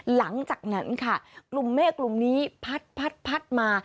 หลังจากนั้นค่ะกลุ่มเมฆกลุ่มนี้พัดมา